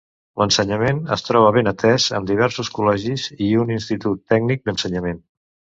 L'ensenyament es troba ben atés, amb diversos col·legis i un Institut Tècnic d'Ensenyament.